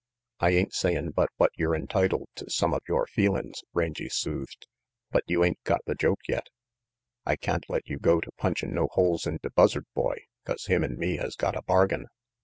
"I ain't sayin' but what yer entitled to some of yore feelin's," Rangy soothed, "but you ain't got the joke yet. I can't let you go to punchin' no holes into Buzzard Boy 'cause him and me has got a bargain.